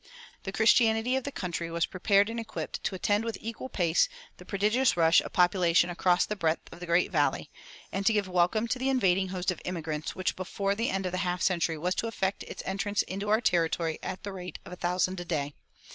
The Christianity of the country was prepared and equipped to attend with equal pace the prodigious rush of population across the breadth of the Great Valley, and to give welcome to the invading host of immigrants which before the end of a half century was to effect its entrance into our territory at the rate of a thousand a day.